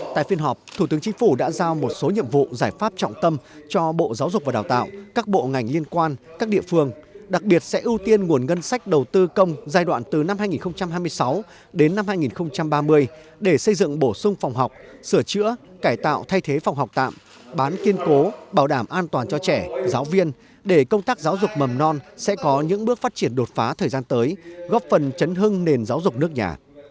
tại phiên họp thủ tướng chính phủ đã giao một số nhiệm vụ giải pháp trọng tâm cho bộ giáo dục và đào tạo các bộ ngành liên quan các địa phương đặc biệt sẽ ưu tiên nguồn ngân sách đầu tư công giai đoạn từ năm hai nghìn hai mươi sáu đến năm hai nghìn ba mươi để xây dựng bổ sung phòng học sửa chữa cải tạo thay thế phòng học tạm bán kiên cố bảo đảm an toàn cho trẻ giáo viên để công tác giáo dục mầm non sẽ có những bước phát triển đột phá thời gian tới góp phần chấn hưng nền giáo dục nước nhà